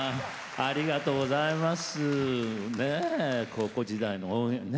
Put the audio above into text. ありがとうございます。